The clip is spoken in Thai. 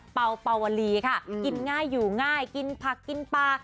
เป่าเป่าวลีค่ะกินง่ายอยู่ง่ายกินผักกินปลา